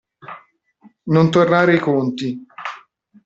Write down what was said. Non tornare i conti.